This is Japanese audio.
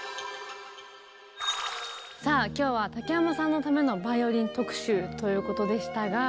さあ今日は竹山さんのためのバイオリン特集ということでしたが。